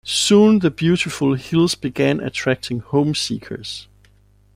Soon the beautiful hills began attracting home-seekers.